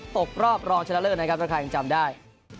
ตกรอบรองชนะเลิศนะครับถ้าใครยังจำได้